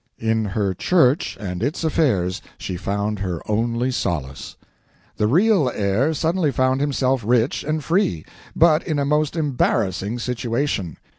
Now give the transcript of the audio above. In her church and its affairs she found her only solace. The real heir suddenly found himself rich and free, but in a most embarrassing situation.